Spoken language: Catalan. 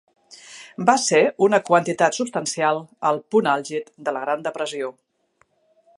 Va ser una quantitat substancial al punt àlgid de la gran depressió.